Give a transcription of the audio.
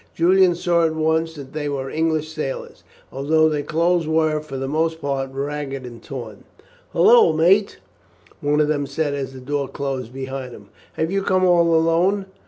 Julian saw at once that they were English sailors, although their clothes were for the most part ragged and torn. "Hulloa, mate!" one of them said as the door closed behind him. "Have you come all alone?